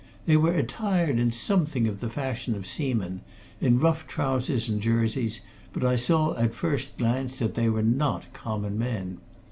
They were attired in something of the fashion of seamen, in rough trousers and jerseys, but I saw at first glance that they were not common men.